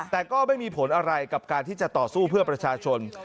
แต่ก็ไม่มีผลอะไรกับการที่จะต่อสู้เพื่อประชาชน